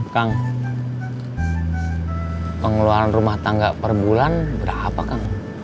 kang pengeluaran rumah tangga per bulan berapa kang